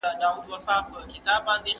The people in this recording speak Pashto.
د طلاق په صريح لفظ کي نيت شرط ندی.